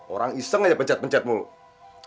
orang iseng aja pencet pencet mulut